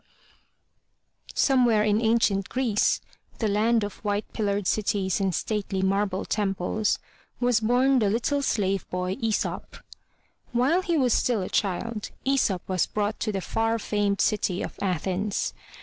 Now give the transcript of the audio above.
OMEWHERE in ancient Greece, the land of white pillared cities and stately marble temples, was bom the little slave boy, Aesop. While he was still a child, Aesop was brought to the far famed city of Athens.